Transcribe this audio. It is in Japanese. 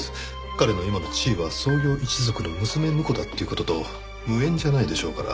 彼の今の地位は創業一族の娘婿だっていう事と無縁じゃないでしょうから。